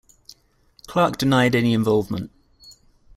Clark denied any involvement.